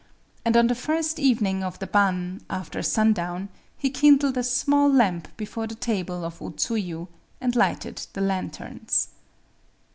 And on the first evening of the Bon, after sun down, he kindled a small lamp before the tablet of O Tsuyu, and lighted the lanterns.